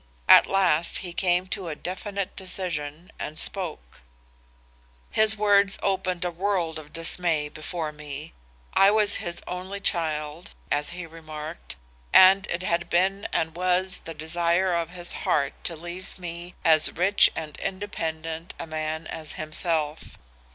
At last he came to a definite decision and spoke. "His words opened a world of dismay before me. I was his only child, as he remarked, and it had been and was the desire of his heart to leave me as rich and independent a man as himself.